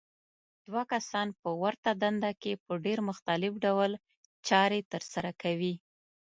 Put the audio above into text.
دوه کسان په ورته دنده کې په ډېر مختلف ډول چارې ترسره کوي.